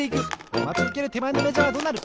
まちうけるてまえのメジャーはどうなる？